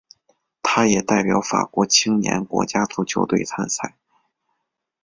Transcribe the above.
他也代表法国青年国家足球队参赛。